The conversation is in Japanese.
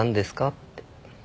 って。